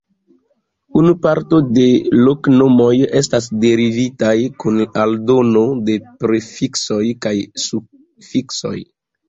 Unu parto de loknomoj estas derivitaj kun aldono de prefiksoj kaj sufiksoj.